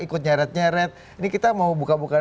ikut nyaret nyaret ini kita mau buka buka